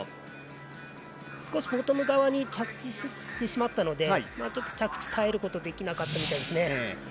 少しボトム側に着地してしまったのでちょっと着地に耐えることができなかったみたいですね。